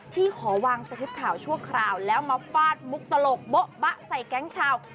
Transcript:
ที่ขอวางสคริปข่าวชั่วคราวแล้วมาฟาดมุกตลกโบ๊ะบะใส่แก๊งชาว